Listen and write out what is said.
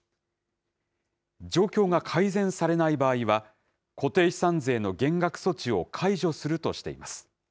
状況が改善されない場合は、固定資産税の減額措置を解除するとしています。